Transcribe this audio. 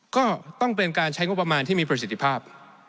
ก็ต้องเป็นการใช้งบประมาณที่มีประสิทธิภาพ